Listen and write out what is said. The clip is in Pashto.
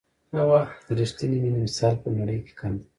د رښتیني مینې مثال په نړۍ کې کم دی.